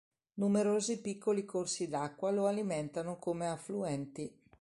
Numerosi piccoli corsi d'acqua lo alimentano come affluenti.